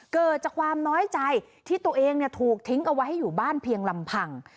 เกิดจากความน้อยใจที่ตัวเองถูกทิ้งเอาไว้ให้อยู่บ้านเพียงลำพัง